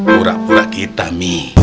pura pura kita mi